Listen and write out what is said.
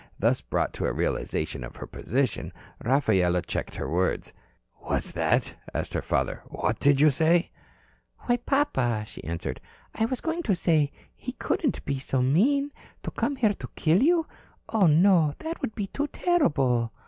Thus brought to a realization of her position, Rafaela checked the words. "What's that?" asked her father. "What did you say?" "Why, papa," she answered, "I was going to say he couldn't be so mean. To come here to kill you. Oh, no. That would be too terrible."